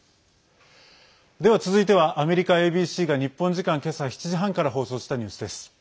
では、続いてはアメリカＡＢＣが日本時間今朝７時半から放送したニュースです。